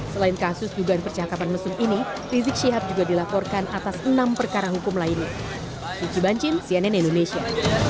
selain kasus dugaan percakapan mesum ini rizik syihab juga dilaporkan atas enam perkara hukum lainnya